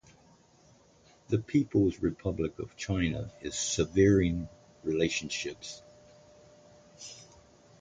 The People's Republic of China is severing relations with all other nations.